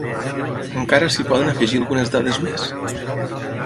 Encara s’hi poden afegir algunes dades més.